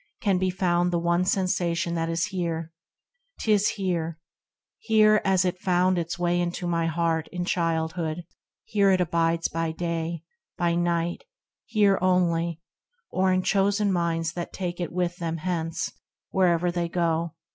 can be found The one sensation that is here ; 'tis here, Here as it found its way into my heart In childhood, here as it abides by day, By night, here only ; or in chosen minds That take it with them hence, where'er they go.